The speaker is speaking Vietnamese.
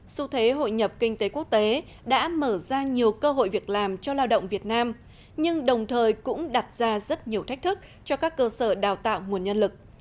xu thế hội nhập kinh tế quốc tế đã mở ra nhiều cơ hội việc làm cho lao động việt nam nhưng đồng thời cũng đặt ra rất nhiều thách thức cho các cơ sở đào tạo nguồn nhân lực